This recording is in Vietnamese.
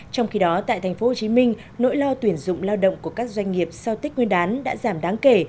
trong khi đó tại tp hcm nỗi lo tuyển dụng lao động của các doanh nghiệp sau tết nguyên đán đã giảm đáng kể